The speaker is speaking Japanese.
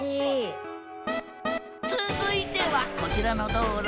続いてはこちらの道路。